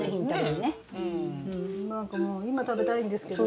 何かもう今食べたいんですけど。